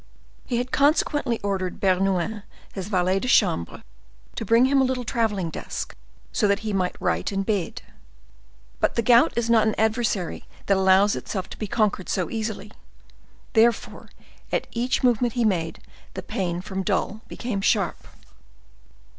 He had consequently ordered Bernouin, his valet de chambre, to bring him a little traveling desk, so that he might write in bed. But the gout is not an adversary that allows itself to be conquered so easily; therefore, at each movement he made, the pain from dull became sharp.